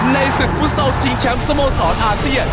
ในศิษย์ฟุตเซาสิงห์แชมป์สโมสรอาเซียน